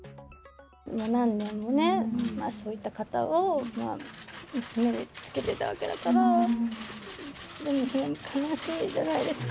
何年もね、そういった方を娘につけてたわけだから、悲しいじゃないですか。